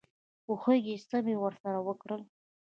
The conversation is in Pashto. پوهېږې چې څه مې ورسره وکړل.